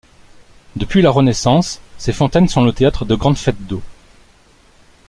Depuis la Renaissance, ces fontaines sont le théâtre de grandes fêtes d'eaux.